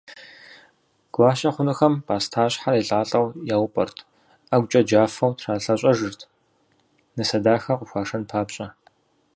Гуащэ хъунухэм пӏастащхьэр елӏалӏэу яупӏэрт, ӏэгукӏэ джафэу тралъэщӏэжырт, нысэ дахэ къыхуашэн папщӏэ.